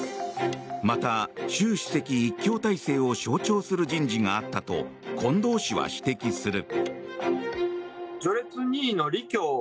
また、習主席一強体制を象徴する人事があったと近藤氏は指摘する。